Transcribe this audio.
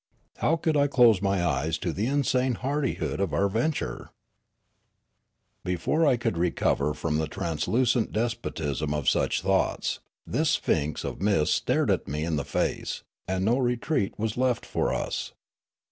How could I close my ej es to the insane hardihood of our venture ? Before I could recover from the truculent despotism of such thoughts, this sphinx of mist stared me in the face, and no retreat was left for us.